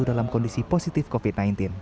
dalam kondisi positif covid sembilan belas